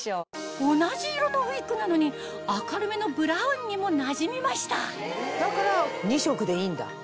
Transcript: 同じ色のウィッグなのに明るめのブラウンにもなじみましただから２色でいいんだ。